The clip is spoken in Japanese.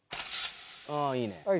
ああいいね。